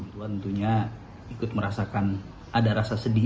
tuhan tentunya ikut merasakan ada rasa sedih